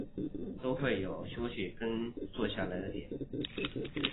都会有休息跟坐下来的点